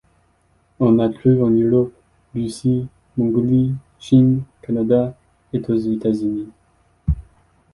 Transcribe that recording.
On la trouve en Europe, Russie, Mongolie, Chine, Canada et aux États-Unis.